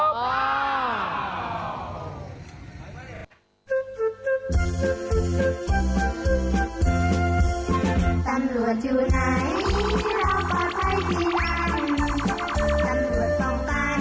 ดูแลตักสันติวราชของเจ้าหน้าที่ตำรวจนั่นเองครับ